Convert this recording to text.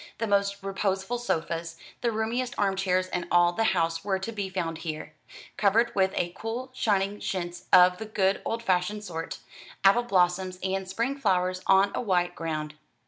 The most reposeful sofas, the roomiest arm chairs in all the house were to be found here, covered with a cool shining chintz of the good old fashioned sort, apple blossoms and spring flowers on a white ground.